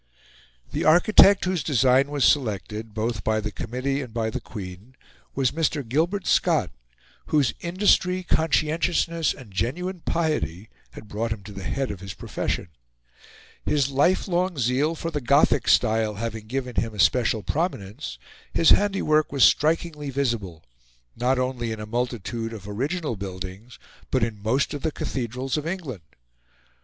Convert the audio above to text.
The architect whose design was selected, both by the committee and by the Queen, was Mr. Gilbert Scott, whose industry, conscientiousness, and genuine piety had brought him to the head of his profession. His lifelong zeal for the Gothic style having given him a special prominence, his handiwork was strikingly visible, not only in a multitude of original buildings, but in most of the cathedrals of England.